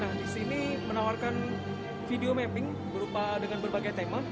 nah di sini menawarkan video mapping berupa dengan berbagai tema